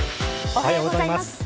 おはようございます。